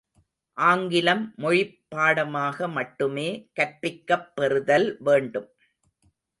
ஆங்கிலம் மொழிப் பாடமாக மட்டுமே கற்பிக்கப் பெறுதல் வேண்டும்.